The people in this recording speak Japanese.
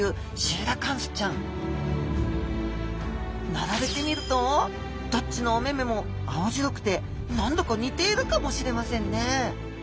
並べてみるとどっちのお目目も青白くて何だか似ているかもしれませんね